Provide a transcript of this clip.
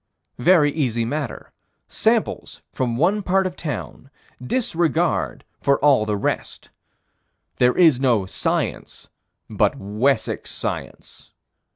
Very easy matter. Samples from one part of town. Disregard for all the rest. There is no science but Wessex science.